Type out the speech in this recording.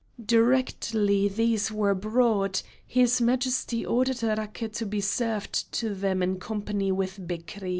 Directly these were brought, his Majesty ordered raki to be served to them in company with Bekri.